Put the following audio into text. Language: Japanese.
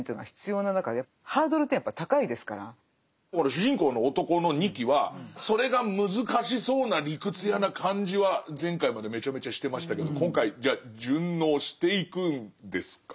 主人公の男の仁木はそれが難しそうな理屈屋な感じは前回までめちゃめちゃしてましたけど今回じゃあ順応していくんですか？